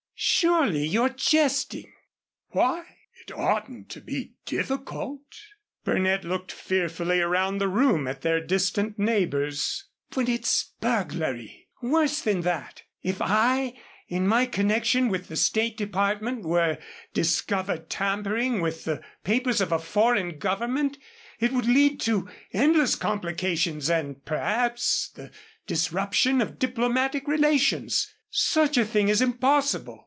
"Surely you're jesting." "Why? It oughtn't to be difficult." Burnett looked fearfully around the room at their distant neighbors. "But it's burglary. Worse than that. If I, in my connection with the State Department, were discovered tampering with the papers of a foreign government, it would lead to endless complications and, perhaps, the disruption of diplomatic relations. Such a thing is impossible.